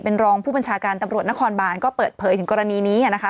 เป็นรองผู้บัญชาการตำรวจนครบานก็เปิดเผยถึงกรณีนี้นะคะ